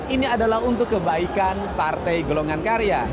ini adalah untuk kebaikan partai golongan karya